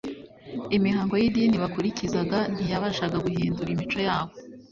Imihango y’idini bakurikizaga ntiyabashaga guhindura imico yabo